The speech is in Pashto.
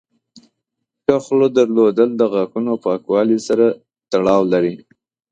ښه خوله درلودل د غاښونو پاکوالي سره تړاو لري.